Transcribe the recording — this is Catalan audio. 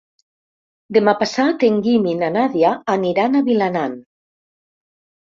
Demà passat en Guim i na Nàdia aniran a Vilanant.